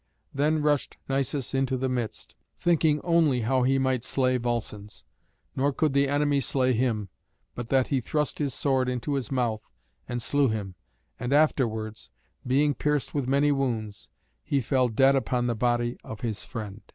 Then rushed Nisus into the midst, thinking only how he might slay Volscens; nor could the enemy stay him, but that he thrust his sword into his mouth and slew him. And afterwards, being pierced with many wounds, he fell dead upon the body of his friend.